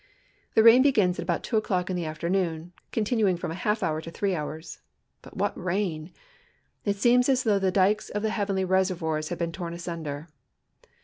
The rain begins at about 2 o'clock in the afternoon, continuing from a half hour to three hours. But what rain ! It seems as though the dikes of the heavenly reservoirs had been torn asunder.